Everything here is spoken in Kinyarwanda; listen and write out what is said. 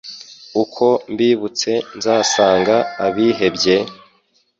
Uko mbibutse nzasanga abihebye,